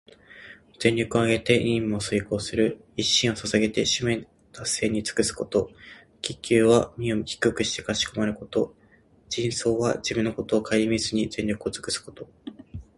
全力をあげて任務を遂行する、一身を捧げて使命達成に尽くすこと。「鞠躬」は身を低くしてかしこまること。「尽瘁」は自分のことをかえりみずに、全力をつくすこと。